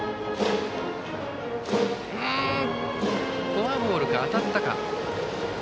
フォアボールか当たったか。